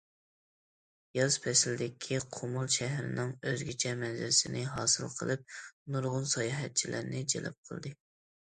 ياز پەسىلدىكى قۇمۇل شەھىرىنىڭ ئۆزگىچە مەنزىرىسىنى ھاسىل قىلىپ، نۇرغۇن ساياھەتچىلەرنى جەلپ قىلدى.